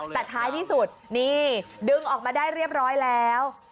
แต่ท้ายที่สุดนี่ดึงออกมาได้เรียบร้อยแล้ว